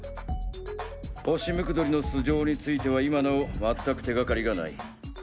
「ホシムクドリ」の素性については今なお全く手がかりがない。